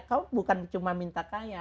kau bukan cuma minta kaya